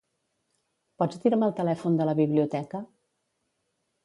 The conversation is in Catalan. Pots dir-me el telèfon de la biblioteca?